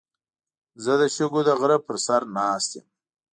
زه د شګو د غره په سر ناست یم.